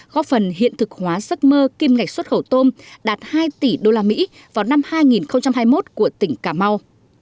góp phần hiện thực hóa giấc mơ kim ngạch xuất khẩu tôm đạt hai tỷ usd vào năm hai nghìn hai mươi một của tỉnh cà mau